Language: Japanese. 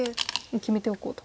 決めておこうと。